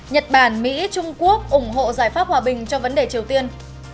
nhật bản mỹ trung quốc ủng hộ giải pháp hòa bình cho vấn đề triều tiên